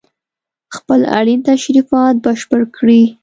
خپل اړين تشريفات بشپړ کړي